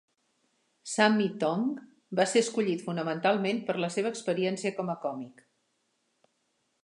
Sammee Tong va ser escollit fonamentalment per la seva experiència com a còmic.